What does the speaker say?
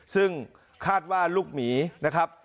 ซึ่งคาดว่าลูกหมีนะครับ